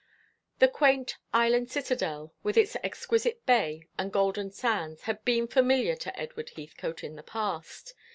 The quaint island citadel, with its exquisite bay and golden sands, had been familiar to Edward Heathcote in the past.